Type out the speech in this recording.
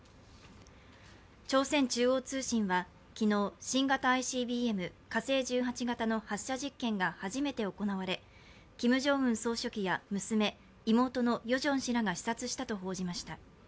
朝鮮中央通信は昨日新型ＩＣＢＭ、火星１８型の発射実験が初めて行われキム・ジョンウン総書記や娘妹のヨジョン氏らが視察したと報じました。